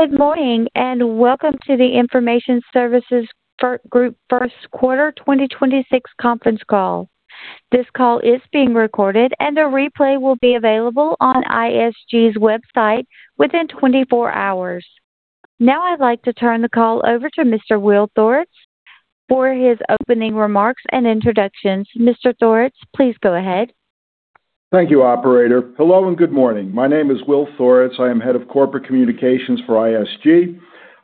Good morning, welcome to the Information Services Group first quarter 2026 conference call. This call is being recorded, and a replay will be available on ISG's website within 24 hours. Now I'd like to turn the call over to Mr. Will Thoretz for his opening remarks and introductions. Mr. Thoretz, please go ahead. Thank you, operator. Hello, and good morning. My name is Will Thoretz. I am head of corporate communications for ISG.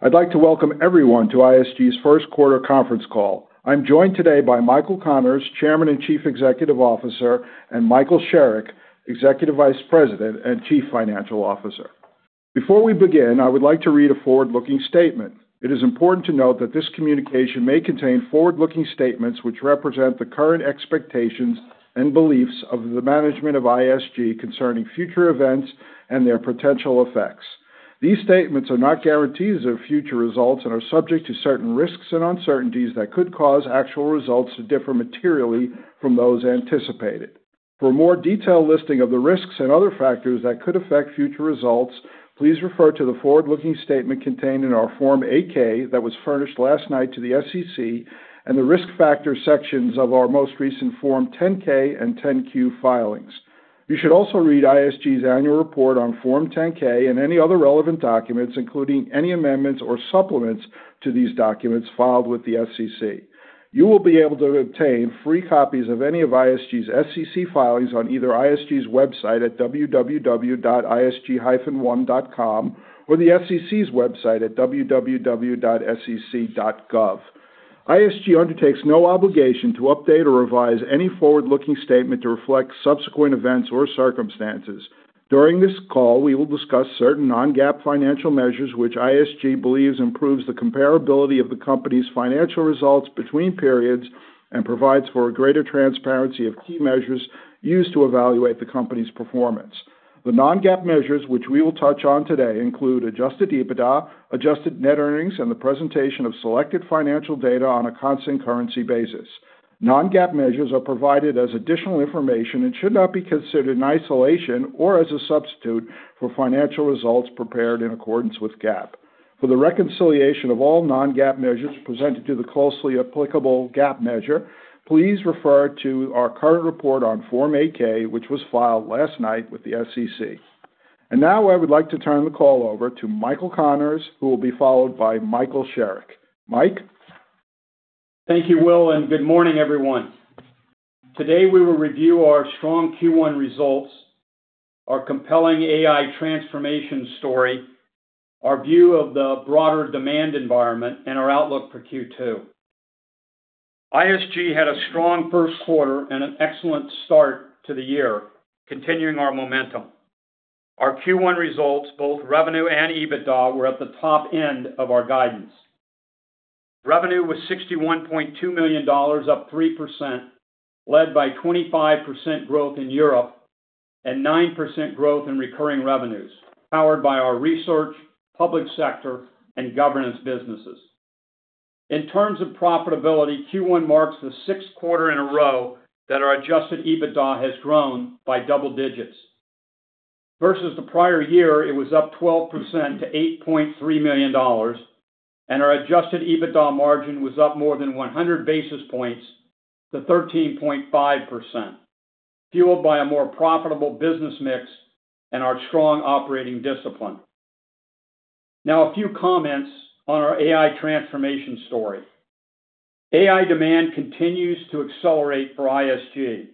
I'd like to welcome everyone to ISG's first quarter conference call. I'm joined today by Michael Connors, Chairman and Chief Executive Officer, and Michael Sherrick, Executive Vice President and Chief Financial Officer. Before we begin, I would like to read a forward-looking statement. It is important to note that this communication may contain forward-looking statements which represent the current expectations and beliefs of the management of ISG concerning future events and their potential effects. These statements are not guarantees of future results and are subject to certain risks and uncertainties that could cause actual results to differ materially from those anticipated. For a more detailed listing of the risks and other factors that could affect future results, please refer to the forward-looking statement contained in our Form 8-K that was furnished last night to the SEC and the Risk Factors sections of our most recent Form 10-K and 10-Q filings. You should also read ISG's annual report on Form 10-K and any other relevant documents, including any amendments or supplements to these documents filed with the SEC. You will be able to obtain free copies of any of ISG's SEC filings on either ISG's website at www.isg-one.com or the SEC's website at www.sec.gov. ISG undertakes no obligation to update or revise any forward-looking statement to reflect subsequent events or circumstances. During this call, we will discuss certain non-GAAP financial measures which ISG believes improves the comparability of the company's financial results between periods and provides for a greater transparency of key measures used to evaluate the company's performance. The non-GAAP measures which we will touch on today include adjusted EBITDA, adjusted net earnings, and the presentation of selected financial data on a constant currency basis. Non-GAAP measures are provided as additional information and should not be considered in isolation or as a substitute for financial results prepared in accordance with GAAP. For the reconciliation of all non-GAAP measures presented to the closely applicable GAAP measure, please refer to our current report on Form 8-K, which was filed last night with the SEC. Now I would like to turn the call over to Michael Connors, who will be followed by Michael Sherrick. Mike? Thank you, Will, and good morning, everyone. Today, we will review our strong Q1 results, our compelling AI transformation story, our view of the broader demand environment, and our outlook for Q2. ISG had a strong first quarter and an excellent start to the year, continuing our momentum. Our Q1 results, both revenue and EBITDA, were at the top end of our guidance. Revenue was $61.2 million, up 3%, led by 25% growth in Europe and 9% growth in recurring revenues, powered by our research, public sector, and governance businesses. In terms of profitability, Q1 marks the 6th quarter in a row that our adjusted EBITDA has grown by double digits. Versus the prior year, it was up 12% to $8.3 million, and our adjusted EBITDA margin was up more than 100 basis points to 13.5%, fueled by a more profitable business mix and our strong operating discipline. A few comments on our AI transformation story. AI demand continues to accelerate for ISG.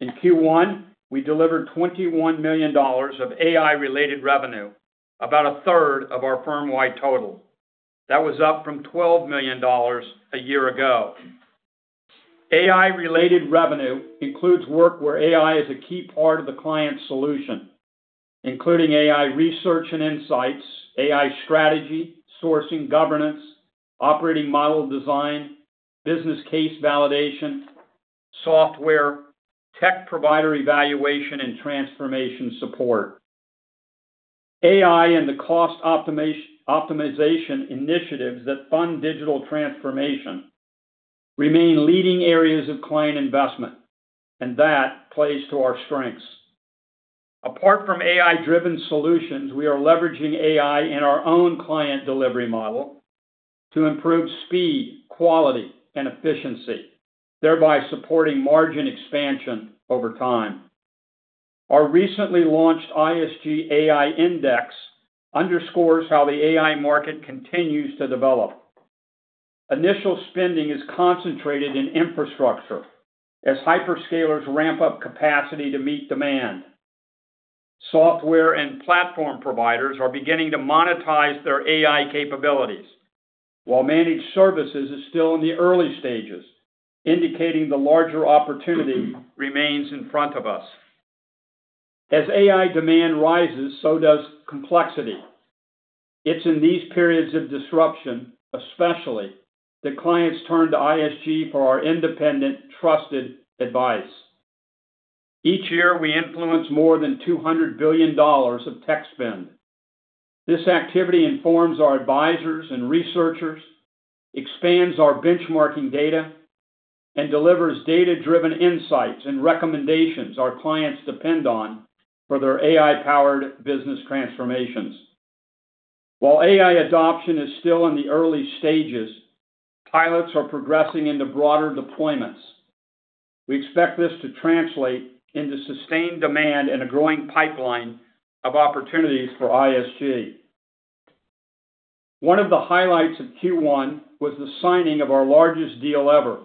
In Q1, we delivered $21 million of AI-related revenue, about 1/3 of our firm-wide total. That was up from $12 million a year ago. AI-related revenue includes work where AI is a key part of the client solution, including AI research and insights, AI strategy, sourcing governance, operating model design, business case validation, software, tech provider evaluation, and transformation support. AI and the cost optimization initiatives that fund digital transformation remain leading areas of client investment, and that plays to our strengths. Apart from AI-driven solutions, we are leveraging AI in our own client delivery model to improve speed, quality, and efficiency, thereby supporting margin expansion over time. Our recently launched ISG AI Index underscores how the AI market continues to develop. Initial spending is concentrated in infrastructure as hyperscalers ramp up capacity to meet demand. Software and platform providers are beginning to monetize their AI capabilities, while managed services is still in the early stages, indicating the larger opportunity remains in front of us. As AI demand rises, so does complexity. It's in these periods of disruption, especially, that clients turn to ISG for our independent, trusted advice. Each year, we influence more than $200 billion of tech spend. This activity informs our advisors and researchers, expands our benchmarking data, and delivers data-driven insights and recommendations our clients depend on for their AI-powered business transformations. While AI adoption is still in the early stages, pilots are progressing into broader deployments. We expect this to translate into sustained demand and a growing pipeline of opportunities for ISG. One of the highlights of Q1 was the signing of our largest deal ever,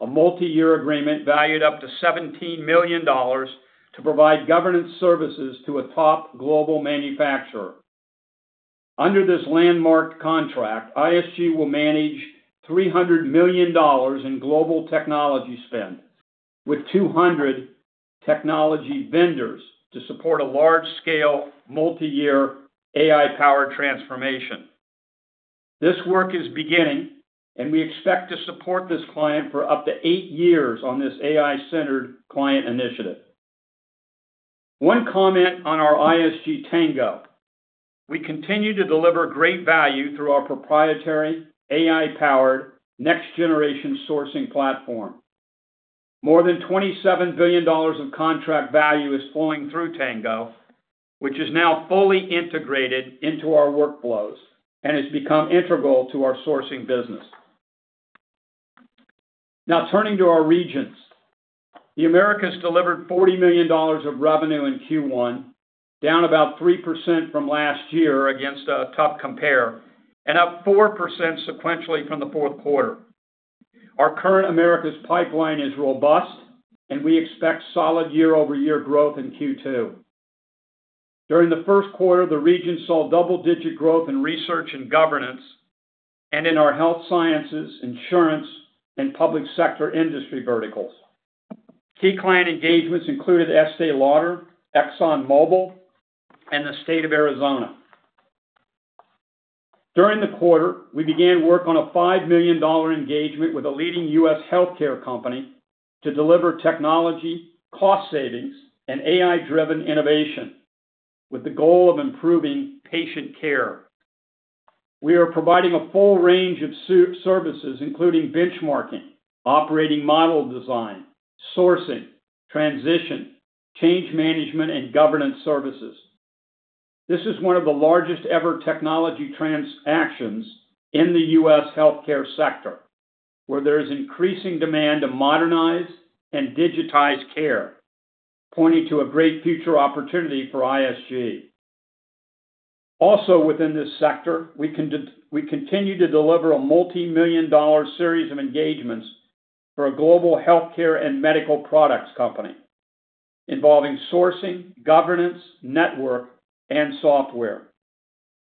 a multi-year agreement valued up to $17 million to provide governance services to a top global manufacturer. Under this landmark contract, ISG will manage $300 million in global technology spend with 200 technology vendors to support a large-scale, multi-year AI-powered transformation. This work is beginning, and we expect to support this client for up to eight years on this AI-centered client initiative. One comment on our ISG Tango. We continue to deliver great value through our proprietary AI-powered next-generation sourcing platform. More than $27 billion of contract value is flowing through Tango, which is now fully integrated into our workflows and has become integral to our sourcing business. Turning to our regions. The Americas delivered $40 million of revenue in Q1, down about 3% from last year against a tough compare and up 4% sequentially from the fourth quarter. Our current Americas pipeline is robust, and we expect solid year-over-year growth in Q2. During the first quarter, the region saw double-digit growth in research and governance and in our health sciences, insurance, and public sector industry verticals. Key client engagements included Estée Lauder, ExxonMobil, and the State of Arizona. During the quarter, we began work on a $5 million engagement with a leading U.S. healthcare company to deliver technology, cost savings, and AI-driven innovation with the goal of improving patient care. We are providing a full range of services, including benchmarking, operating model design, sourcing, transition, change management, and governance services. This is one of the largest ever technology transactions in the U.S. healthcare sector, where there is increasing demand to modernize and digitize care, pointing to a great future opportunity for ISG. Within this sector, we continue to deliver a multi-million dollar series of engagements for a global healthcare and medical products company involving sourcing, governance, network, and software.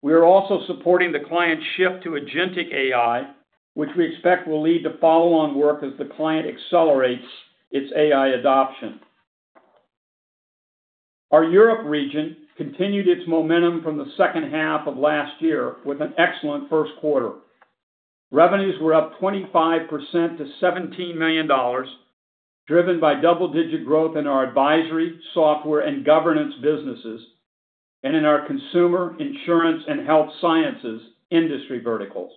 We are also supporting the client's shift to agentic AI, which we expect will lead to follow-on work as the client accelerates its AI adoption. Our Europe region continued its momentum from the second half of last year with an excellent first quarter. Revenues were up 25% to $17 million, driven by double-digit growth in our advisory, software, and governance businesses and in our consumer, insurance, and health sciences industry verticals.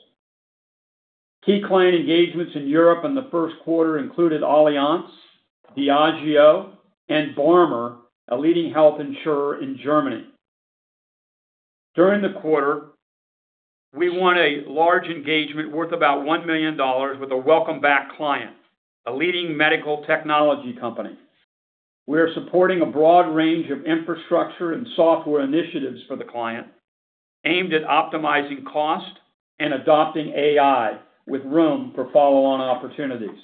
Key client engagements in Europe in the first quarter included Allianz, Diageo, and BARMER, a leading health insurer in Germany. During the quarter, we won a large engagement worth about $1 million with a welcome-back client, a leading medical technology company. We are supporting a broad range of infrastructure and software initiatives for the client aimed at optimizing cost and adopting AI with room for follow-on opportunities.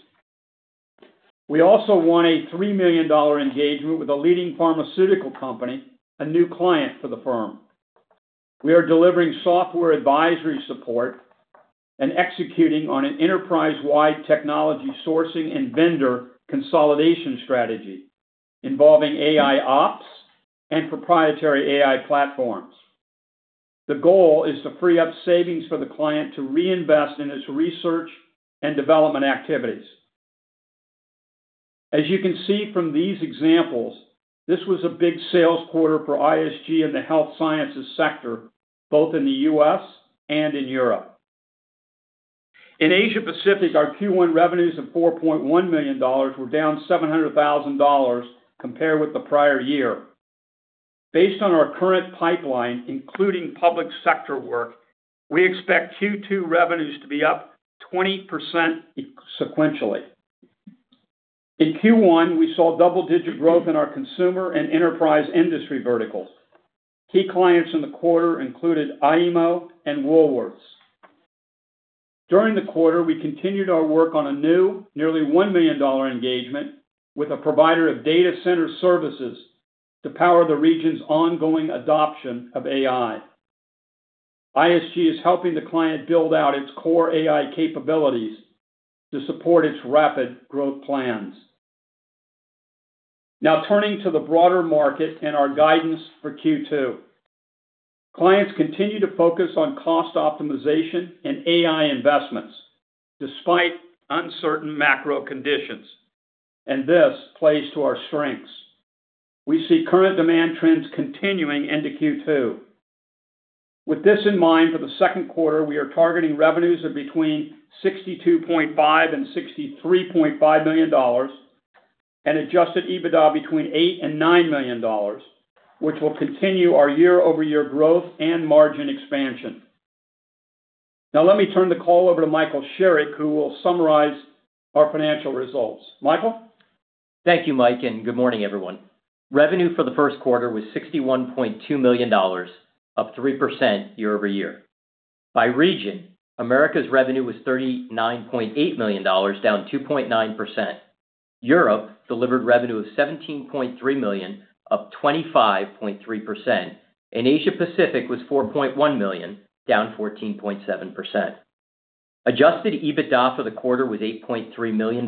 We also won a $3 million engagement with a leading pharmaceutical company, a new client for the firm. We are delivering software advisory support and executing on an enterprise-wide technology sourcing and vendor consolidation strategy involving AIOps and proprietary AI platforms. The goal is to free up savings for the client to reinvest in its research and development activities. As you can see from these examples, this was a big sales quarter for ISG in the health sciences sector, both in the U.S. and in Europe. In Asia Pacific, our Q1 revenues of $4.1 million were down $700,000 compared with the prior year. Based on our current pipeline, including public sector work, we expect Q2 revenues to be up 20% sequentially. In Q1, we saw double-digit growth in our consumer and enterprise industry verticals. Key clients in the quarter included IMO and Woolworths. During the quarter, we continued our work on a new, nearly $1 million engagement with a provider of data center services to power the region's ongoing adoption of AI. ISG is helping the client build out its core AI capabilities to support its rapid growth plans. Now turning to the broader market and our guidance for Q2. Clients continue to focus on cost optimization and AI investments despite uncertain macro conditions, and this plays to our strengths. We see current demand trends continuing into Q2. With this in mind, for the second quarter, we are targeting revenues of between $62.5 million and $63.5 million and adjusted EBITDA between $8 million and $9 million, which will continue our year-over-year growth and margin expansion. Now, let me turn the call over to Michael Sherrick, who will summarize our financial results. Michael? Thank you, Mike. Good morning, everyone. Revenue for the first quarter was $61.2 million, up 3% year-over-year. By region, Americas' revenue was $39.8 million, down 2.9%. Europe delivered revenue of $17.3 million, up 25.3%. Asia Pacific was $4.1 million, down 14.7%. Adjusted EBITDA for the quarter was $8.3 million,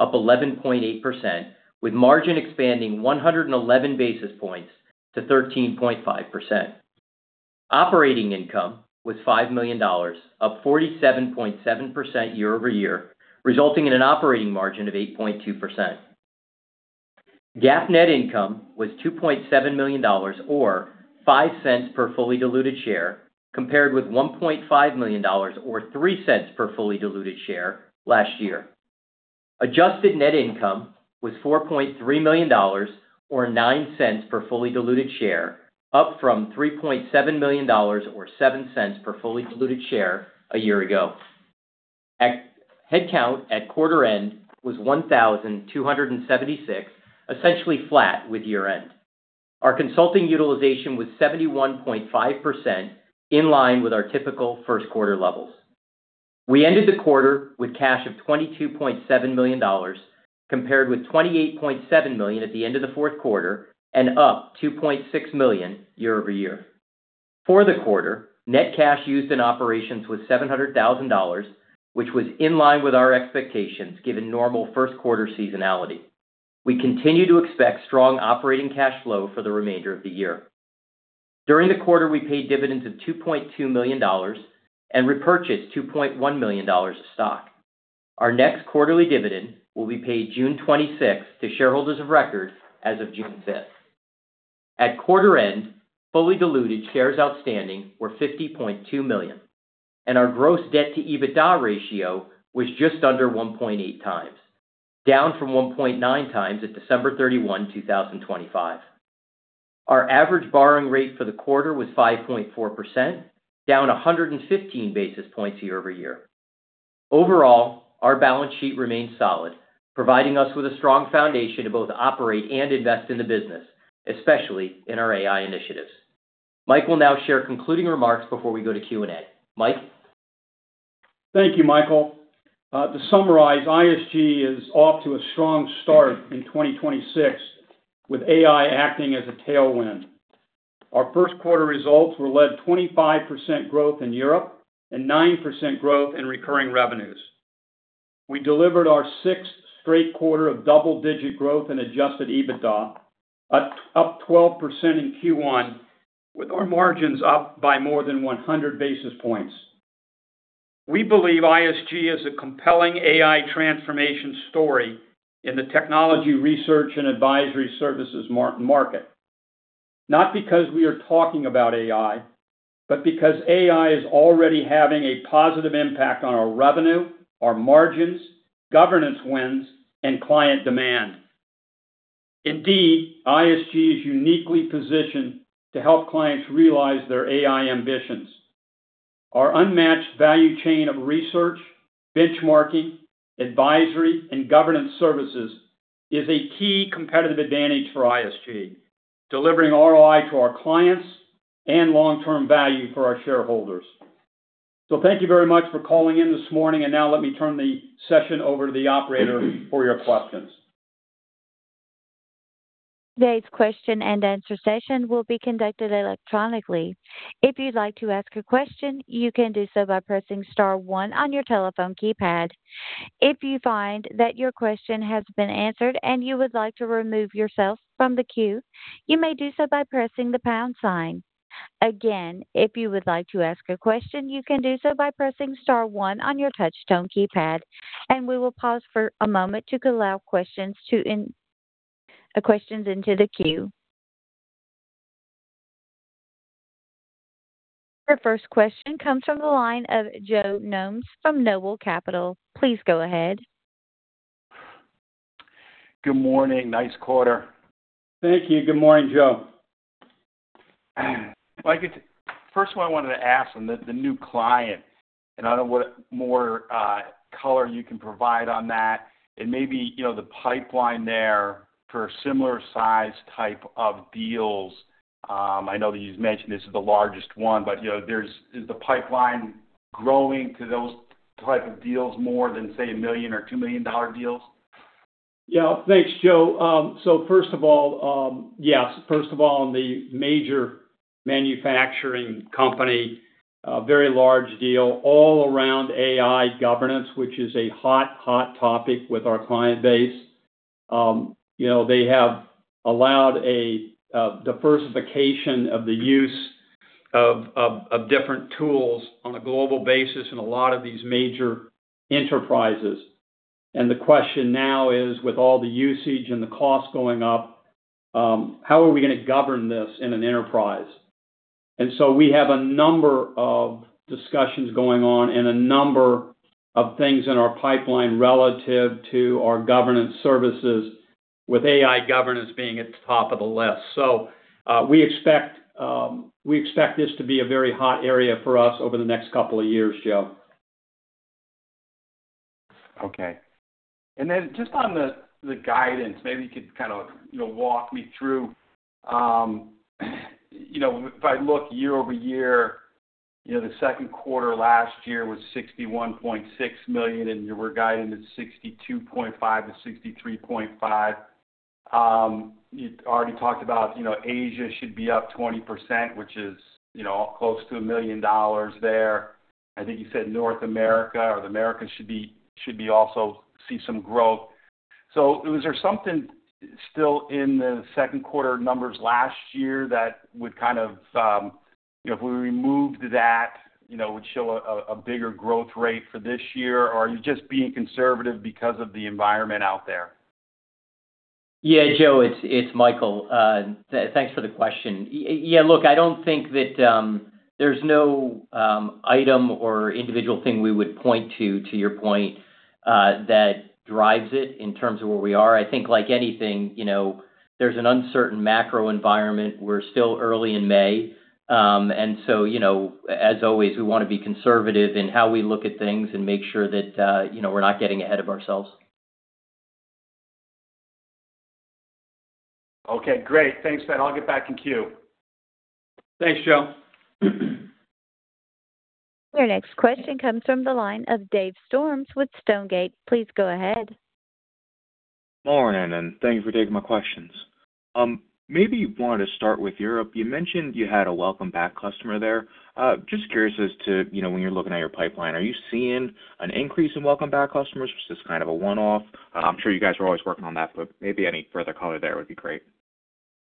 up 11.8%, with margin expanding 111 basis points to 13.5%. Operating income was $5 million, up 47.7% year-over-year, resulting in an operating margin of 8.2%. GAAP net income was $2.7 million or $0.05 per fully diluted share, compared with $1.5 million or $0.03 per fully diluted share last year. Adjusted net income was $4.3 million or $0.09 per fully diluted share, up from $3.7 million or $0.07 per fully diluted share a year ago. Headcount at quarter end was 1,276, essentially flat with year-end. Our consulting utilization was 71.5%, in line with our typical first quarter levels. We ended the quarter with cash of $22.7 million, compared with $28.7 million at the end of the fourth quarter and up $2.6 million year-over-year. For the quarter, net cash used in operations was $700,000, which was in line with our expectations, given normal first quarter seasonality. We continue to expect strong operating cash flow for the remainder of the year. During the quarter, we paid dividends of $2.2 million and repurchased $2.1 million of stock. Our next quarterly dividend will be paid June 26th to shareholders of record as of June 5th. At quarter end, fully diluted shares outstanding were 50.2 million, and our gross debt-to-EBITDA ratio was just under 1.8x, down from 1.9x at December 31, 2025. Our average borrowing rate for the quarter was 5.4%, down 115 basis points year-over-year. Overall, our balance sheet remains solid, providing us with a strong foundation to both operate and invest in the business, especially in our AI initiatives. Mike will now share concluding remarks before we go to Q&A. Mike? Thank you, Michael. To summarize, ISG is off to a strong start in 2026 with AI acting as a tailwind. Our first quarter results were led 25% growth in Europe and 9% growth in recurring revenues. We delivered our sixth straight quarter of double-digit growth in adjusted EBITDA, up 12% in Q1, with our margins up by more than 100 basis points. We believe ISG is a compelling AI transformation story in the technology research and advisory services market. Not because we are talking about AI, but because AI is already having a positive impact on our revenue, our margins, governance wins, and client demand. Indeed, ISG is uniquely positioned to help clients realize their AI ambitions. Our unmatched value chain of research, benchmarking, advisory, and governance services is a key competitive advantage for ISG, delivering ROI to our clients and long-term value for our shareholders. Thank you very much for calling in this morning. Now let me turn the session over to the operator for your questions. Today's question and answer session will be conducted electronically. If you'd like to ask a question, you can do so by pressing star one on your telephone keypad. If you find that your question has been answered and you would like to remove yourself from the queue, you may do so by pressing the pound sign. Again, if you would like to ask a question, you can do so by pressing star one on your touch-tone keypad, and we will pause for a moment to allow questions into the queue. Our first question comes from the line of Joe Gomes from Noble Capital Markets. Please go ahead. Good morning. Nice quarter. Thank you. Good morning, Joe. Mike, first one I wanted to ask on the new client, and I don't know what more color you can provide on that. Maybe, you know, the pipeline there for similar size type of deals. I know that you just mentioned this is the largest one, you know, is the pipeline growing to those type of deals more than, say, $1 million or $2 million deals? Yeah. Thanks, Joe. First of all, yes, first of all, on the major manufacturing company, a very large deal all around AI governance, which is a hot topic with our client base. You know, they have allowed a diversification of the use of different tools on a global basis in a lot of these major enterprises. The question now is, with all the usage and the cost going up, how are we gonna govern this in an enterprise? We have a number of discussions going on and a number of things in our pipeline relative to our governance services, with AI governance being at the top of the list. We expect this to be a very hot area for us over the next couple of years, Joe. Okay. Just on the guidance, maybe you could kind of, you know, walk me through. If I look year-over-year, you know, the second quarter last year was $61.6 million, and you were guiding at $62.5 million-$63.5 million. You already talked about, you know, Asia should be up 20%, which is, you know, close to $1 million there. I think you said North America or the Americas should also see some growth. Was there something still in the second quarter numbers last year that would kind of, you know, if we removed that, you know, would show a bigger growth rate for this year? Or are you just being conservative because of the environment out there? Joe, it's Michael. Thanks for the question. I don't think that there's no item or individual thing we would point to your point, that drives it in terms of where we are. I think like anything, you know, there's an uncertain macro environment. We're still early in May. As always, we wanna be conservative in how we look at things and make sure that, you know, we're not getting ahead of ourselves. Okay, great. Thanks. I'll get back in queue. Thanks, Joe. Your next question comes from the line of Dave Storms with Stonegate. Please go ahead. Morning. Thank you for taking my questions. Maybe wanted to start with Europe. You mentioned you had a welcome back customer there. Just curious as to, you know, when you're looking at your pipeline, are you seeing an increase in welcome back customers, or is this kind of a one-off? I'm sure you guys are always working on that. Maybe any further color there would be great.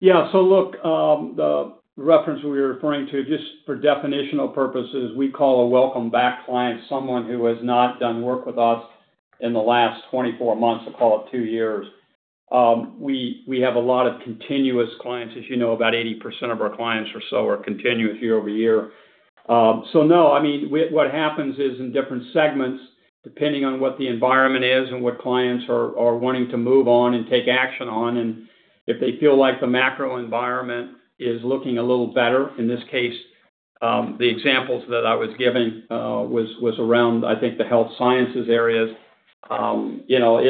Yeah. Look, the reference we were referring to, just for definitional purposes, we call a welcome back client someone who has not done work with us in the last 24 months. Call it two years. We have a lot of continuous clients. As you know, about 80% of our clients or so are continuous year-over-year. No, I mean, what happens is in different segments, depending on what the environment is and what clients are wanting to move on and take action on, and if they feel like the macro environment is looking a little better, in this case, the examples that I was giving was around, I think, the health sciences areas. You know,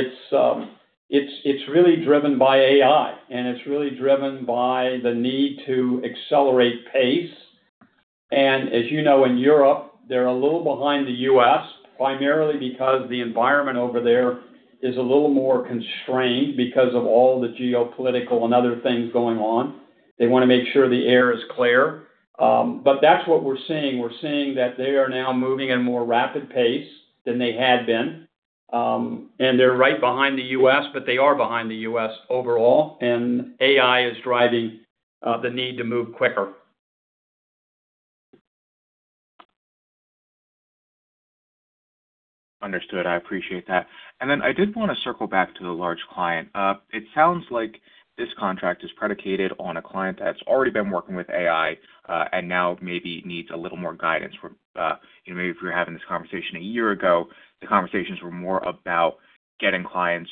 it's really driven by AI, and it's really driven by the need to accelerate pace. As you know, in Europe, they're a little behind the U.S., primarily because the environment over there is a little more constrained because of all the geopolitical and other things going on. They wanna make sure the air is clear. That's what we're seeing. We're seeing that they are now moving at a more rapid pace than they had been. They're right behind the U.S., but they are behind the U.S. overall, and AI is driving the need to move quicker. Understood. I appreciate that. I did wanna circle back to the large client. It sounds like this contract is predicated on a client that's already been working with AI, and now maybe needs a little more guidance from, you know Maybe if we were having this conversation a year ago, the conversations were more about getting clients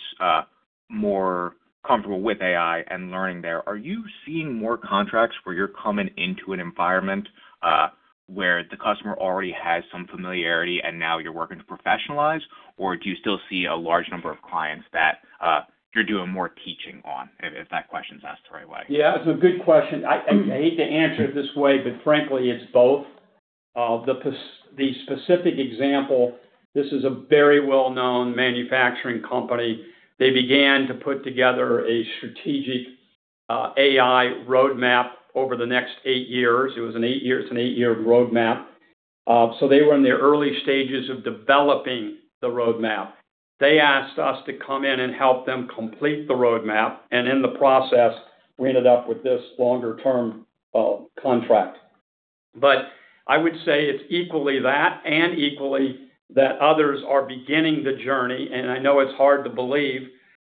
more comfortable with AI and learning there. Are you seeing more contracts where you're coming into an environment where the customer already has some familiarity and now you're working to professionalize? Do you still see a large number of clients that you're doing more teaching on, if that question's asked the right way? Yeah, it's a good question. I hate to answer it this way, but frankly, it's both. The specific example, this is a very well-known manufacturing company. They began to put together a strategic AI roadmap over the next eight years. It was an eight-year roadmap. They were in the early stages of developing the roadmap. They asked us to come in and help them complete the roadmap, and in the process, we ended up with this longer-term contract. I would say it's equally that and equally that others are beginning the journey. I know it's hard to believe,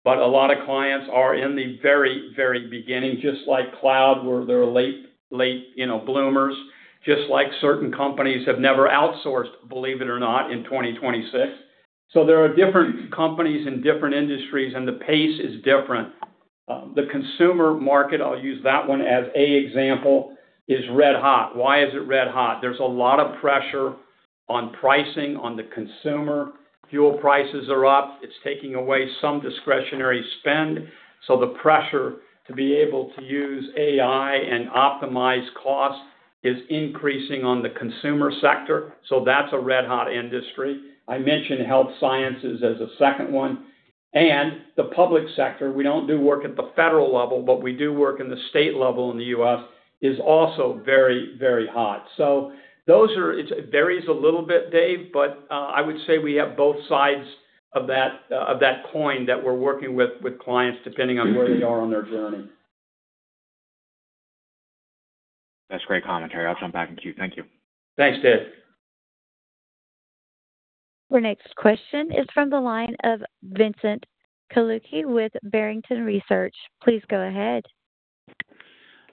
but a lot of clients are in the very, very beginning, just like cloud, where they're late, you know, bloomers. Just like certain companies have never outsourced, believe it or not, in 2026. There are different companies in different industries, and the pace is different. The consumer market, I'll use that one as an example, is red hot. Why is it red hot? There's a lot of pressure on pricing on the consumer. Fuel prices are up. It's taking away some discretionary spend. The pressure to be able to use AI and optimize costs is increasing on the consumer sector, so that's a red-hot industry. I mentioned health sciences as a second one. The public sector, we don't do work at the federal level, but we do work in the state level in the U.S., is also very, very hot. It varies a little bit, Dave, but I would say we have both sides of that coin that we're working with clients depending on where they are on their journey. That's great commentary. I'll jump back in queue. Thank you. Thanks, Dave. Our next question is from the line of Vincent Colicchio with Barrington Research. Please go ahead.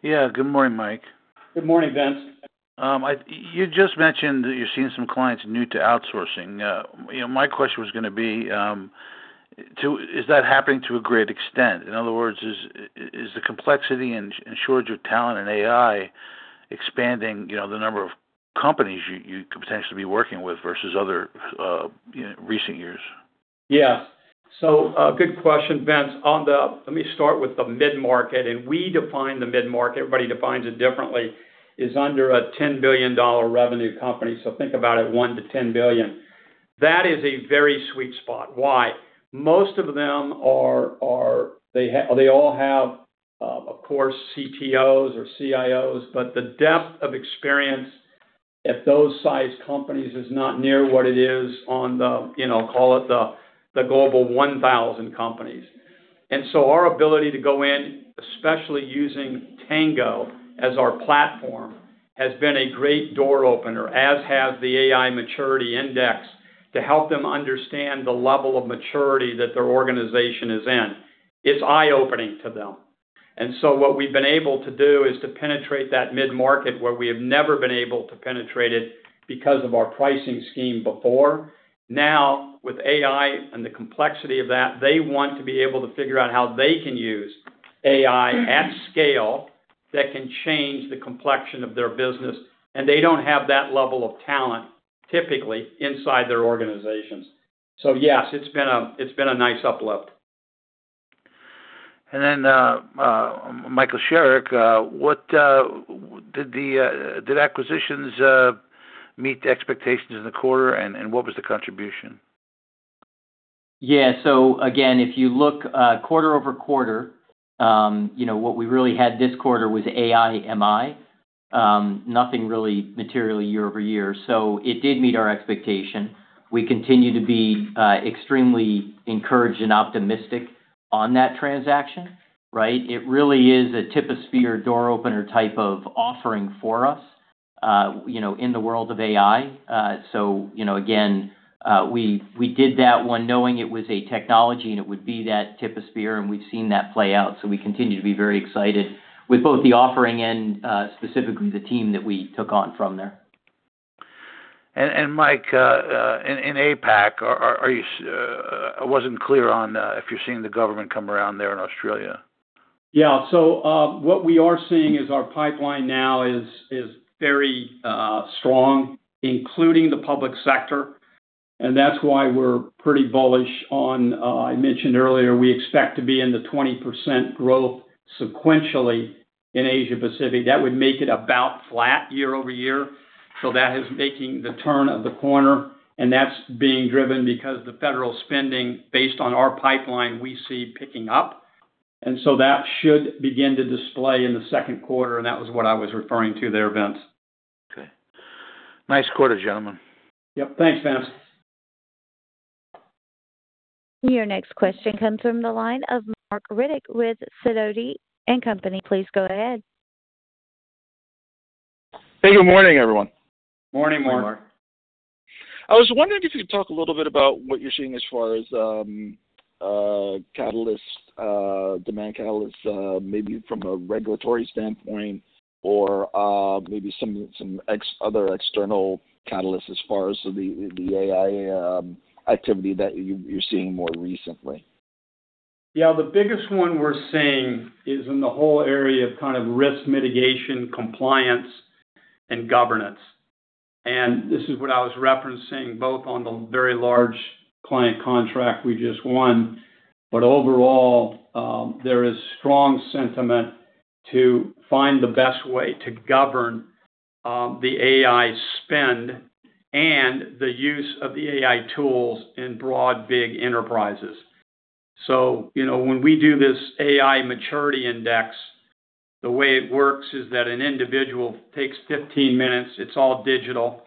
Yeah, good morning, Mike. Good morning, Vince. You just mentioned that you're seeing some clients new to outsourcing. You know, my question was gonna be, is that happening to a great extent? In other words, is the complexity and shortage of talent and AI expanding, you know, the number of companies you could potentially be working with versus other, you know, recent years? Good question, Vince. Let me start with the mid-market, we define the mid-market, everybody defines it differently, is under a $10 billion revenue company. Think about it, $1 billion-$10 billion. That is a very sweet spot. Why? Most of them, they all have, of course, CTOs or CIOs, but the depth of experience at those size companies is not near what it is on the, you know, call it the global 1,000 companies. Our ability to go in, especially using Tango as our platform, has been a great door opener, as has the AI Maturity Index, to help them understand the level of maturity that their organization is in. It's eye-opening to them. What we've been able to do is to penetrate that mid-market where we have never been able to penetrate it because of our pricing scheme before. Now, with AI and the complexity of that, they want to be able to figure out how they can use AI at scale that can change the complexion of their business, and they don't have that level of talent typically inside their organizations. Yes, it's been a nice uplift. Michael Sherrick, what did the acquisitions meet the expectations in the quarter, and what was the contribution? Again, if you look, quarter-over-quarter, you know, what we really had this quarter was Aiimi. Nothing really materially year-over-year. It did meet our expectation. We continue to be extremely encouraged and optimistic on that transaction, right? It really is a tip of spear door opener type of offering for us, you know, in the world of AI. Again, we did that one knowing it was a technology and it would be that tip of spear, and we've seen that play out. We continue to be very excited with both the offering and specifically the team that we took on from there. Mike, in APAC, I wasn't clear on if you're seeing the government come around there in Australia? Yeah. What we are seeing is our pipeline now is very strong, including the public sector. That's why we're pretty bullish on, I mentioned earlier, we expect to be in the 20% growth sequentially in Asia Pacific. That would make it about flat year-over-year. That is making the turn of the corner, and that's being driven because the federal spending based on our pipeline, we see picking up. That should begin to display in the second quarter, and that was what I was referring to there, Vince. Okay. Nice quarter, gentlemen. Yep. Thanks, Vince. Your next question comes from the line of Marc Riddick with Sidoti & Company. Please go ahead. Hey, good morning, everyone. Morning, Marc. Morning, Marc. I was wondering if you could talk a little bit about what you're seeing as far as catalyst, demand catalyst, maybe from a regulatory standpoint or maybe some other external catalyst as far as the AI activity that you're seeing more recently? Yeah. The biggest one we're seeing is in the whole area of kind of risk mitigation, compliance, and governance. This is what I was referencing both on the very large client contract we just won. Overall, there is strong sentiment to find the best way to govern the AI spend and the use of the AI tools in broad, big enterprises. You know, when we do this AI Maturity Index, the way it works is that an individual takes 15 minutes, it's all digital.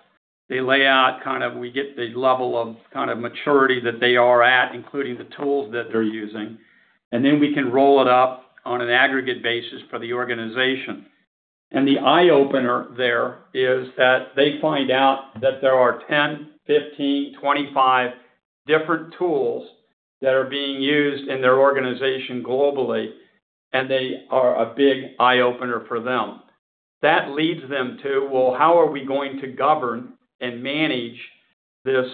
They lay out we get the level of kind of maturity that they are at, including the tools that they're using. Then we can roll it up on an aggregate basis for the organization. The eye-opener there is that they find out that there are 10, 15, 25 different tools that are being used in their organization globally, and they are a big eye-opener for them. That leads them to, well, how are we going to govern and manage this,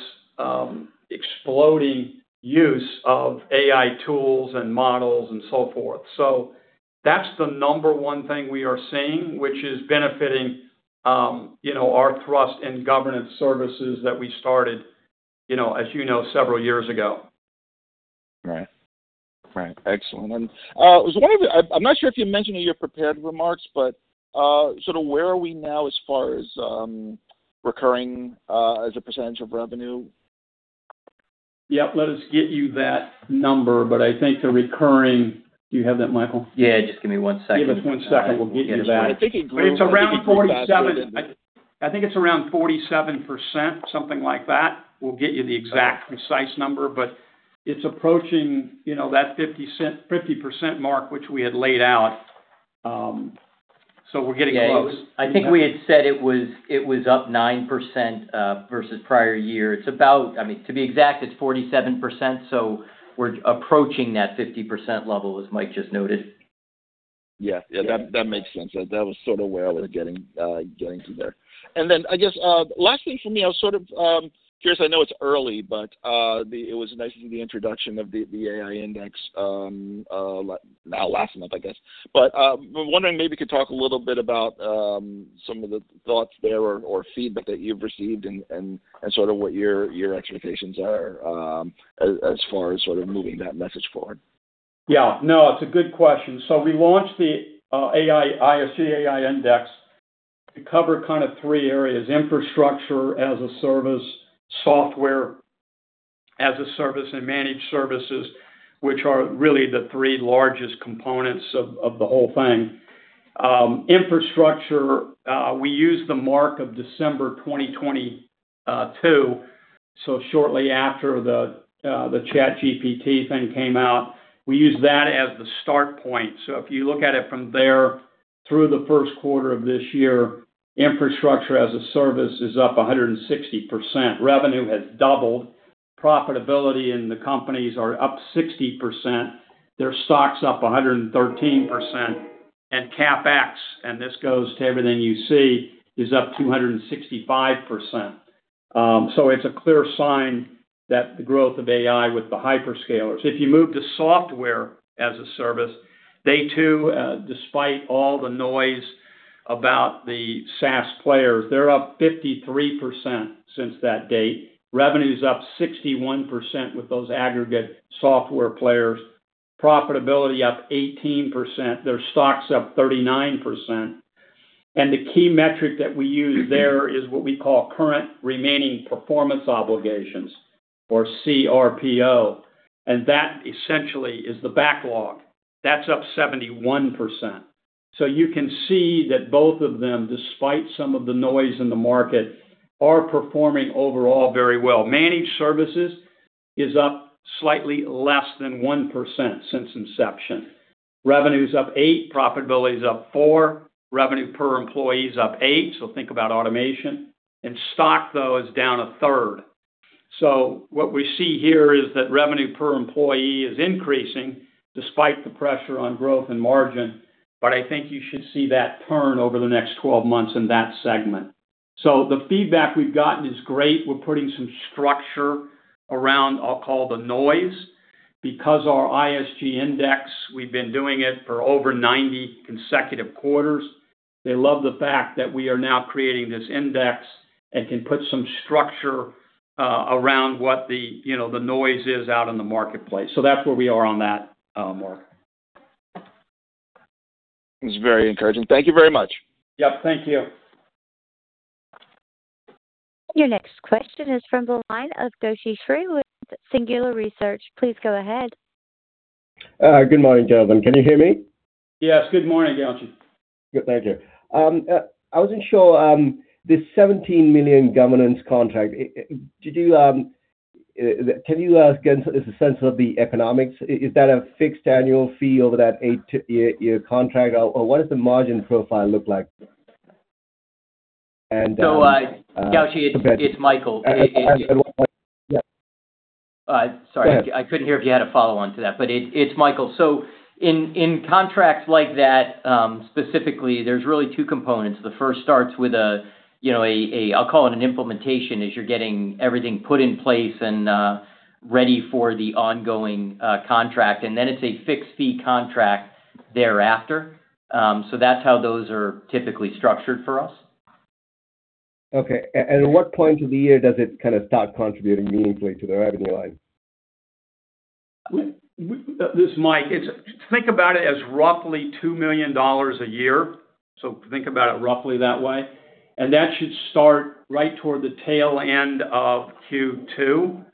exploding use of AI tools and models and so forth. That's the number one thing we are seeing, which is benefiting, you know, our thrust in governance services that we started, you know, as you know, several years ago. Right. Right. Excellent. I was wondering, I'm not sure if you mentioned in your prepared remarks, but sort of where are we now as far as recurring as a percentage of revenue? Yep. Let us get you that number, but I think the recurring Do you have that, Michael? Yeah, just give me one second. Give us one second. We'll get you that. I think he- I think it's around 47%, something like that. We'll get you the exact precise number, but it's approaching, you know, that 50% mark which we had laid out. We're getting close. I think we had said it was up 9% versus prior year. It's about I mean, to be exact, it's 47%, so we're approaching that 50% level as Mike just noted. Yeah. Yeah, that makes sense. That, that was sort of where I was getting to there. I guess last thing from me, I was sort of curious, I know it's early, but the it was nice to see the introduction of the AI Index like now last month, I guess. was wondering maybe you could talk a little bit about some of the thoughts there or feedback that you've received and sort of what your expectations are as far as sort of moving that message forward. Yeah. No, it's a good question. We launched the ISG AI Index to cover kind of three areas: infrastructure as a service, software as a service, and managed services, which are really the three largest components of the whole thing. Infrastructure, we use the mark of December 2022, so shortly after the ChatGPT thing came out. We used that as the start point. If you look at it from there through the first quarter of this year, infrastructure as a service is up 160%. Revenue has doubled. Profitability in the companies are up 60%. Their stock's up 113%. CapEx, and this goes to everything you see, is up 265%. It's a clear sign that the growth of AI with the hyperscalers. If you move to software as a service, they too, despite all the noise about the SaaS players, they're up 53% since that date. Revenue's up 61% with those aggregate software players. Profitability up 18%. Their stock's up 39%. The key metric that we use there is what we call current remaining performance obligations or CRPO, and that essentially is the backlog. That's up 71%. You can see that both of them, despite some of the noise in the market, are performing overall very well. Managed services is up slightly less than 1% since inception. Revenue's up 8%, profitability's up 4%, revenue per employee is up 8%, so think about automation. Stock, though, is down a third. What we see here is that revenue per employee is increasing despite the pressure on growth and margin, I think you should see that turn over the next 12 months in that segment. The feedback we've gotten is great. We're putting some structure around, I'll call the noise, because our ISG Index, we've been doing it for over 90 consecutive quarters. They love the fact that we are now creating this index and can put some structure around what the, you know, the noise is out in the marketplace. That's where we are on that, Marc. It's very encouraging. Thank you very much. Yep, thank you. Your next question is from the line of Gowshi Sriharan with Singular Research. Please go ahead. Good morning, gentlemen. Can you hear me? Yes, good morning, Gowshi. Good. Thank you. I wasn't sure, this $17 million governance contract, did you, can you give us a sense of the economics? Is that a fixed annual fee over that eight-year contract or what does the margin profile look like? Gowshi, it's Michael. Yeah. Sorry. Go ahead. I couldn't hear if you had a follow-on to that, but it's Michael. In contracts like that, specifically, there's really two components. The first starts with a, you know, a I'll call it an implementation, as you're getting everything put in place and ready for the ongoing contract. It's a fixed fee contract thereafter. That's how those are typically structured for us. Okay. At what point of the year does it kind of start contributing meaningfully to the revenue line? We, this is Mike. Think about it as roughly $2 million a year. Think about it roughly that way. That should start right toward the tail end of Q2,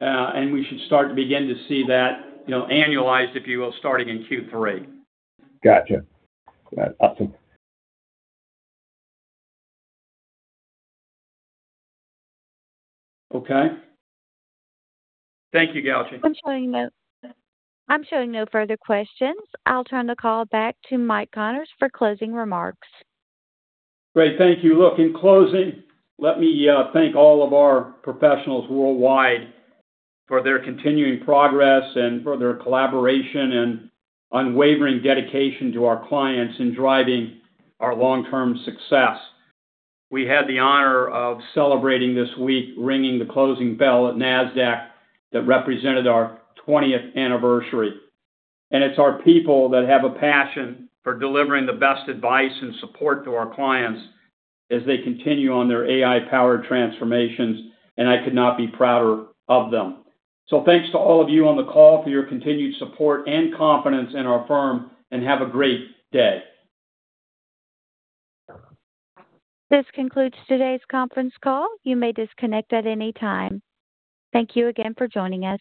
and we should start to begin to see that, you know, annualized, if you will, starting in Q3. Gotcha. Right. Awesome. Okay. Thank you, Gowshi. I'm showing no further questions. I'll turn the call back to Mike Connors for closing remarks. Great. Thank you. Look, in closing, let me thank all of our professionals worldwide for their continuing progress and for their collaboration and unwavering dedication to our clients in driving our long-term success. We had the honor of celebrating this week ringing the closing bell at Nasdaq that represented our twentieth anniversary. It's our people that have a passion for delivering the best advice and support to our clients as they continue on their AI-powered transformations, and I could not be prouder of them. Thanks to all of you on the call for your continued support and confidence in our firm, and have a great day. This concludes today's conference call. You may disconnect at any time. Thank you again for joining us.